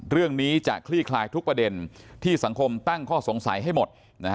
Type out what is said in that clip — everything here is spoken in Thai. เรื่องนี้จะคลี่คลายทุกประเด็นที่สังคมตั้งข้อสงสัยให้หมด